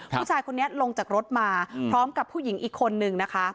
ผู้ชายคนนี้ลงจากรถมาพร้อมกับผู้หญิงอีกคนนึงนะคะ